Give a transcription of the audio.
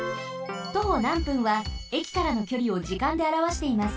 徒歩なん分は駅からのきょりを時間であらわしています。